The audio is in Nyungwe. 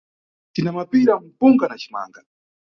Tina mapira, mpunga na cimanga.